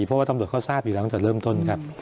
เพราะว่าตำรวจเขาทราบอยู่แล้วตั้งแต่เริ่มต้นครับ